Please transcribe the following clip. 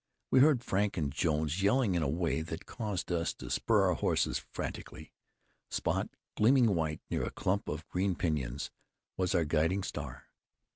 We heard Frank and Jones yelling in a way that caused us to spur our horses frantically. Spot, gleaming white near a clump of green pinyons, was our guiding star.